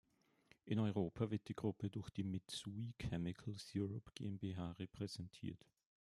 In Europa wird die Gruppe durch die Mitsui Chemicals Europe GmbH repräsentiert.